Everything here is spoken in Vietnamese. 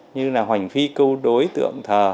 như là hoành phi cưu đối tượng thờ